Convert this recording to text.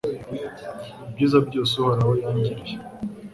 Ibyiza byose Uhoraho yangiriye